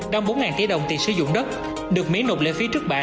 đồng bốn tỷ đồng tiền sử dụng đất được miễn nộp lệ phí trước bạc